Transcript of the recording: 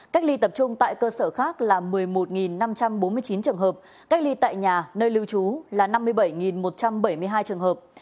cách ly tập trung tại cơ sở khác là một mươi một năm trăm bốn mươi chín trường hợp cách ly tại nhà nơi lưu trú là năm mươi bảy một trăm bảy mươi hai trường hợp